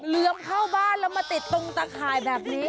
เหลือมเข้าบ้านแล้วมาติดตรงตะข่ายแบบนี้